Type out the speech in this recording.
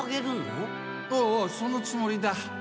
ああそのつもりだ。